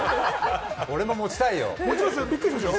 俺も触りたいよ！